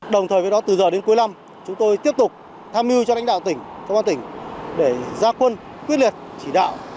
đồng thời với đó từ giờ đến cuối năm chúng tôi tiếp tục tham mưu cho lãnh đạo tỉnh công an tỉnh để ra quân quyết liệt chỉ đạo